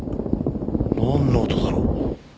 なんの音だろう？